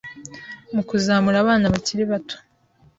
mu kuzamura abana bakiri bato.